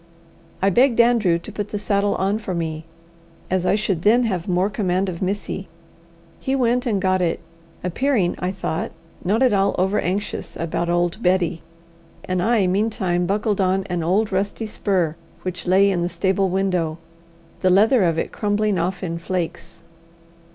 I begged Andrew to put the saddle on for me, as I should then have more command of Missy. He went and got it, appearing, I thought, not at all over anxious about old Betty; and I meantime buckled on an old rusty spur which lay in the stable window, the leathers of it crumbling off in flakes.